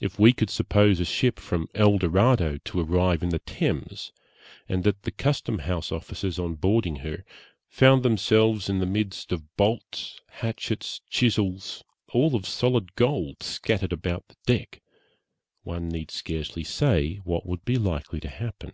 If we could suppose a ship from El Dorado to arrive in the Thames, and that the custom house officers, on boarding her, found themselves in the midst of bolts, hatchets, chisels, all of solid gold, scattered about the deck, one need scarcely say what would be likely to happen.